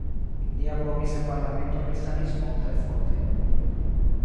Li apogis en parlamento kristanismon tre forte.